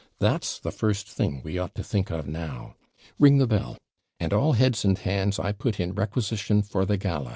That's the first thing we ought to think of now. Ring the bell! And all heads and hands I put in requisition for the gala.'